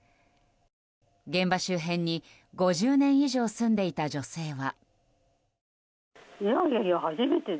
現場周辺に５０年以上住んでいた女性は。